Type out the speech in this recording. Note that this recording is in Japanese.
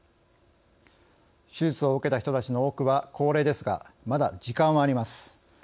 手術を受けた人たちの多くは高齢ですが、まだ時間はあります。